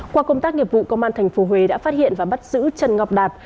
qua công tác nghiệp vụ công an tp huế đã phát hiện và bắt giữ trần ngọc đạt